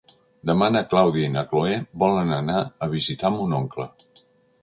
Demà na Clàudia i na Cloè volen anar a visitar mon oncle.